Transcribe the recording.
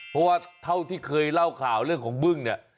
เพราะว่าเท่าที่เคยเล่าข่าวเรื่องของบึ้งเนี่ย